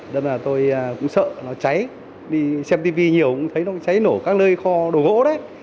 nên là tôi cũng sợ nó cháy đi xem tv nhiều cũng thấy nó cháy nổ các nơi kho đồ gỗ đấy